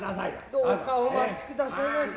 どうかお待ちくださいまし。